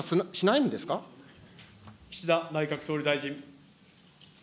岸田内閣総理大臣。